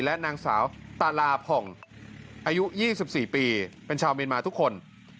และนางสาวตาลาภองอายุยี่สิบสี่ปีเป็นชาวเมียนมาทุกคน